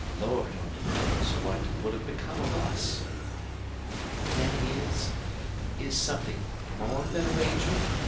"Lord only knows what would have become of us!" "Then he is is something more than a ranger?"